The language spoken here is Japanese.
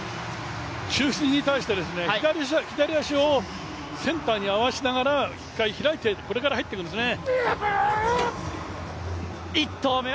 球心に対して左足をセンターに合わせながら１回開いて、これから入っていくんですね。